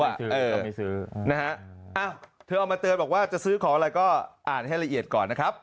หาเธอผมมาเตือนว่าจะซื้อของอะไรก็อ่านให้ละเอียดก่อนนะครับ